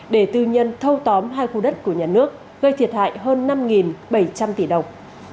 để tư nhân thâu tóm hai khu đất của nhà nước gây thiệt hại hơn năm bảy trăm linh tỷ đồng